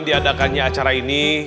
diadakannya acara ini